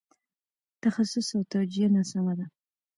تخصیص او توجیه ناسمه ده.